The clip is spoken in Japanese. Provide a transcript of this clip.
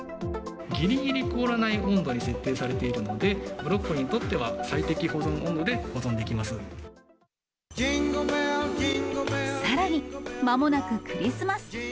ぎりぎり凍らない温度に設定されているので、ブロッコリーにとっては、さらに、まもなくクリスマス。